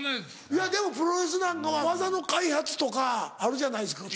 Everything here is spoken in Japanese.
いやでもプロレスなんかは技の開発とかあるじゃないですか。